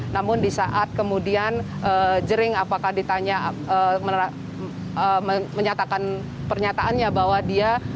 namun di saat kemudian jering apakah ditanya menyatakan pernyataannya bahwa dia